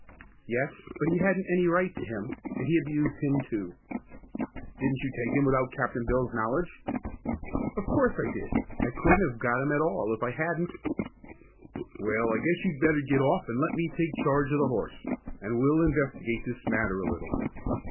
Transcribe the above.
"Yes, but he hadn't any right to him, and he abused him, too." "Didn't you take him without Captain Bill's knowledge?" "Of course I did! I couldn't have got 'im at all if I hadn't." "Well, I guess you'd better get off and let me take charge of the horse, and we'll investigate this matter a little.